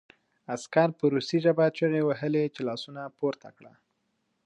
عسکر په روسي ژبه چیغې وهلې چې لاسونه پورته کړه